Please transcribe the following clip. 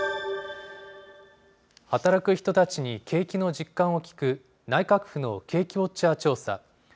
働く人たちに景気の実感を聞く、内閣府の景気ウォッチャー調査。